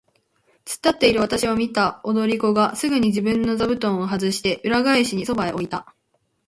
つっ立っているわたしを見た踊り子がすぐに自分の座布団をはずして、裏返しにそばへ置いた。